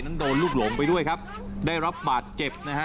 โดนลูกหลงไปด้วยครับได้รับบาดเจ็บนะฮะ